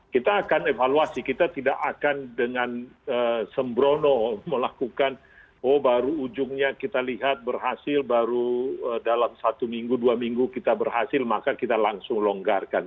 kita akan evaluasi kita tidak akan dengan sembrono melakukan oh baru ujungnya kita lihat berhasil baru dalam satu minggu dua minggu kita berhasil maka kita langsung longgarkan